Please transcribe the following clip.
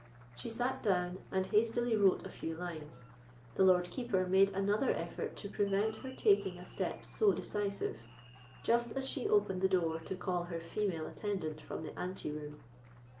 She sat down, and hastily wrote a few lines. The Lord Keeper made another effort to prevent her taking a step so decisive, just as she opened the door to call her female attendant from the ante room.